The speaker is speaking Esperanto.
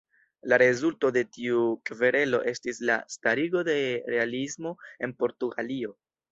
La rezulto de tiu kverelo estis la starigo de realismo en Portugalio.